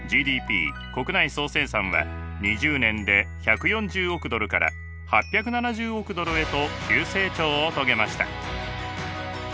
ＧＤＰ国内総生産は２０年で１４０億ドルから８７０億ドルへと急成長を遂げました。